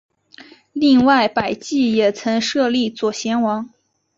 另外百济也曾设立左贤王。